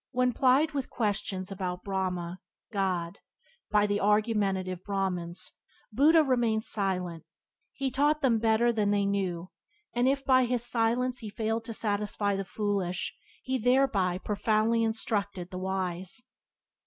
When, plied with questions about Brahma (God) by the argumentative Brahmans, Buddha remained silent, he taught them better than they knew, and if by his silence he failed to satisfy the foolish he thereby profoundly in structured the wise.